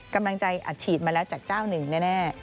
กำลังใจอาจฉีดมาแล้วจากเจ้าหนึ่งแน่